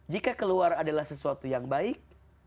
jika keluar adalah sesuatu yang baik